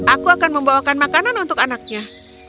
aku akan membawakan makanan untuk anaknya